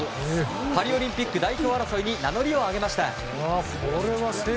パリオリンピック代表争いに名乗りを上げました。